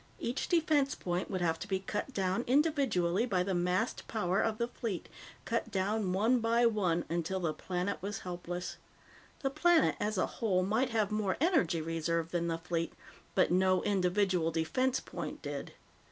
Each defense point would have to be cut down individually by the massed power of the fleet, cut down one by one until the planet was helpless. The planet as a whole might have more energy reserve than the fleet, but no individual defense point did.